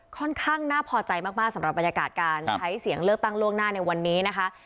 ค่อนข้างน่าพอใจมากสำหรับบรรยากาศการใช้เสียงเลือกตั้งล่วงหน้าในวันนี้นะคะ